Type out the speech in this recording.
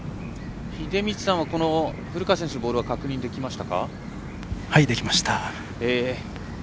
秀道さんは、古川選手のボールはできました。